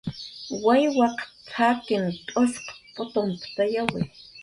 "Wawyaq t""akin t'usq putuptayawi"